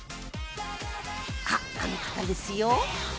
ああの方ですよ！